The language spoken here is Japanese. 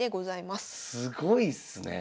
すごいっすねえ。